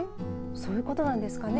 そういうことなんですかね。